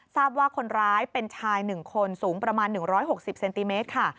ทราบว่าคนร้ายเป็นชาย๑คนสูงประมาณ๑๖๐เซนติเมตรค่ะ